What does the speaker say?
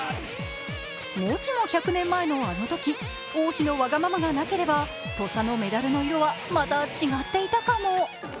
もしも１００年前のあのとき王妃のわがままがなければ土佐のメダルの色は、また違っていたかも。